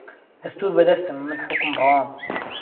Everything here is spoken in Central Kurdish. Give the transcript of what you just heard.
دهستور به دهستم من حوکم ڕەوام